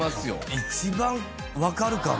一番わかるかも。